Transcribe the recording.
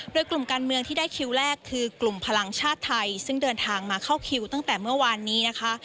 โดยกลุ่มการเมืองที่ได้คิวแรกคือกลุ่มพลังชาติไทยซึ่งเดินทางมาเข้าคิวตั้งแต่เมื่อวานนี้นะคะ